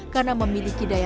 karena memiliki daya